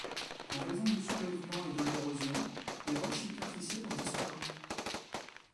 En raison du soulèvement et de l'érosion, les roches superficielles ont disparu.